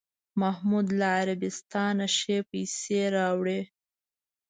محمود له عربستانه ښې پسې راوړې.